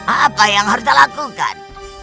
apa yang harus kita lakukan